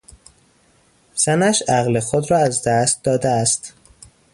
زنش عقل خود را از دست داده است.